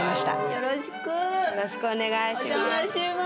よろしくお願いします